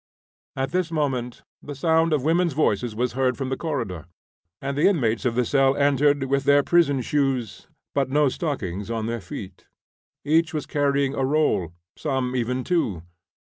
At this moment the sound of women's voices was heard from the corridor, and the inmates of the cell entered, with their prison shoes, but no stockings on their feet. Each was carrying a roll, some even two.